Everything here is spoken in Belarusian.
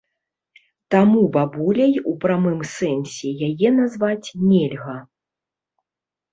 Таму бабуляй ў прамым сэнсе яе назваць нельга.